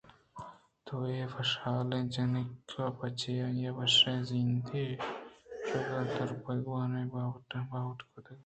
تو اے وشحالیں جنک چہ آئی ءِ وشیں زند ءَ کشّیتگ ءُدرد ءُپیگورانی باہوٹ کُتگ